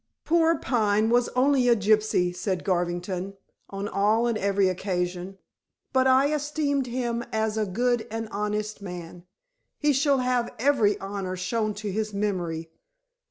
"Poor Pine was only a gypsy," said Garvington, on all and every occasion. "But I esteemed him as a good and honest man. He shall have every honor shown to his memory.